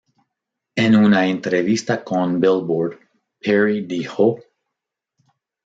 En una entrevista con Billboard, Perry dijo,